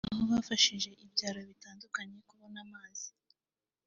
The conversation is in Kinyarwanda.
aho bafashije ibyaro bitandukanye kubona amazi